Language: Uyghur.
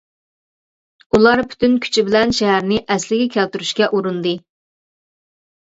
ئۇلار پۈتۈن كۈچى بىلەن شەھەرنى ئەسلىگە كەلتۈرۈشكە ئۇرۇندى.